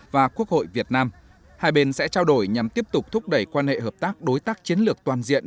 và quốc hội việt nam hai bên sẽ trao đổi nhằm tiếp tục thúc đẩy quan hệ hợp tác đối tác chiến lược toàn diện